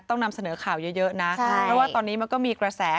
ต้องนำเสนอข่าวเยอะนะเพราะว่าตอนนี้มันก็มีกระแส